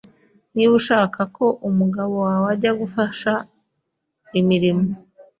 Niba ushaka ko umugabo wawe ajya agufasha imirimo